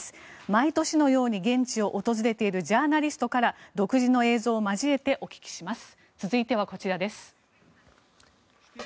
毎年のように現地を訪れているジャーナリストから独自の映像を交えてお聞きします。